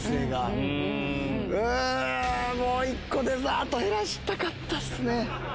うーん、もう１個デザート減らしたかったっすね。